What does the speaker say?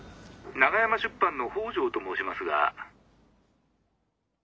☎長山出版の北條と申しますが。